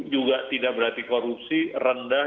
juga tidak berarti korupsi rendah